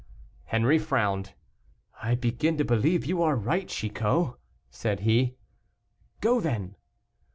Henri frowned. "I begin to believe you are right, Chicot," said he. "Go, then."